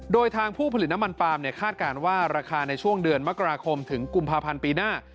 โดยทางผู้ผลิตน้ำมันปาล์มคาดการณ์ว่าราคาในช่วงเดือนมกราคมถึงกุมภาพันธ์ปีหน้า